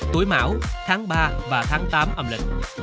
tuổi mảo tháng ba và tháng tám âm lịch